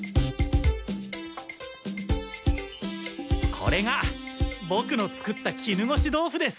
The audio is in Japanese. これがボクの作った絹ごし豆腐です！